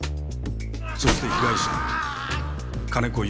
そして被害者金子祐介。